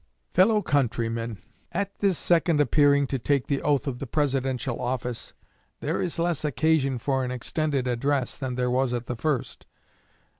Fellow Countrymen: At this second appearing to take the oath of the Presidential office, there is less occasion for an extended address than there was at the first.